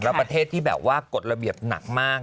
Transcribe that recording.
แล้วประเทศที่แบบว่ากฎระเบียบหนักมาก